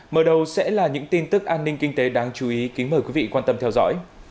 mở đầu sẽ là những tin tức an ninh kinh tế đáng chú ý kính mời quý vị quan tâm theo dõi